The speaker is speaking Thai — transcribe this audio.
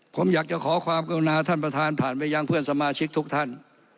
ผมอยากจะขอความกรุณาท่านประธานผ่านไปยังเพื่อนสมาชิกทุกท่าน